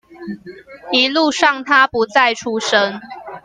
一路上他不再出聲